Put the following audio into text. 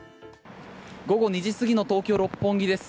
午後２時過ぎの東京・六本木です。